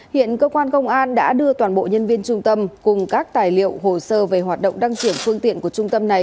hiện cơ quan công an đã đưa toàn bộ nhân viên trung tâm cùng các tài liệu hồ sơ về hoạt động đăng kiểm phương tiện của trung tâm này